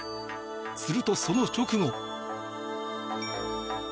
すると、その直後。